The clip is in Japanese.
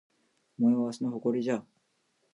お前はわしの誇りじゃ